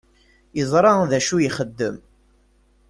Yeẓṛa dacu i ixeddem.